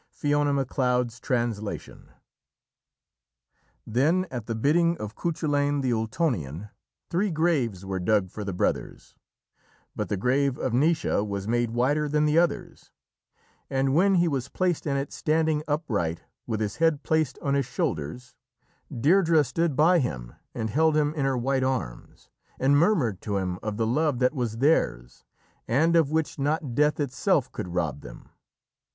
Fiona Macleod's Translation. Then, at the bidding of Cuchulainn, the Ultonian, three graves were dug for the brothers, but the grave of Naoise was made wider than the others, and when he was placed in it, standing upright, with his head placed on his shoulders, Deirdrê stood by him and held him in her white arms, and murmured to him of the love that was theirs and of which not Death itself could rob them.